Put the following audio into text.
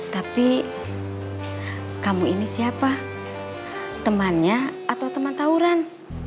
tapi kamu ini siapa temannya atau teman tauran